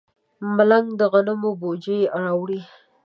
ملنګ د غنمو بوجۍ راوړه.